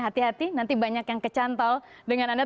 hati hati nanti banyak yang kecantal dengan anda